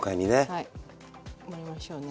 はい盛りましょうね。